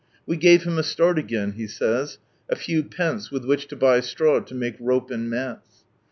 We gave him a start again, he says. (A few pence with which to buy straw to make rope and mats.)